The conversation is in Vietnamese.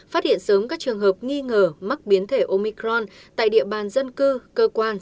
phát hiện sớm các trường hợp nghi ngờ mắc biến thể omicron tại địa bàn dân cư cơ quan